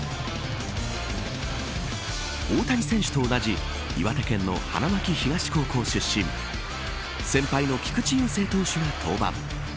大谷選手と同じ岩手県の花巻東高校出身先輩の菊池雄星投手が登板。